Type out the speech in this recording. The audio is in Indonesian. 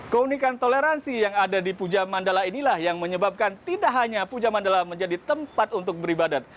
keunikan toleransi yang ada di puja mandala inilah yang menyebabkan tidak hanya puja mandala menjadi tempat untuk beribadat